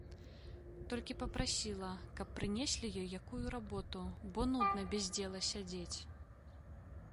Толькі папрасіла, каб прынеслі ёй якую работу, бо нудна без дзела сядзець.